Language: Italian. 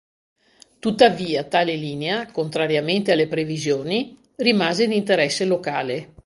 Tuttavia tale linea, contrariamente alle previsioni, rimase di interesse locale.